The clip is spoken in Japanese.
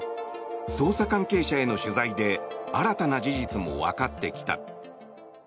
捜査関係者への取材で新たな事実もわかってきた。